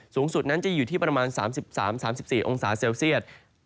สูงสุดนั้นจะอยู่ที่ประมาณ๓๓๔องศาเซลเซียต